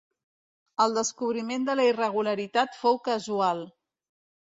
El descobriment de la irregularitat fou casual.